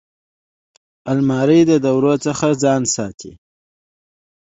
الماري د دوړو څخه سامان ساتي